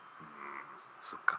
そっか。